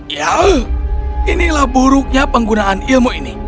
ya inilah buruknya penggunaan ilmu ini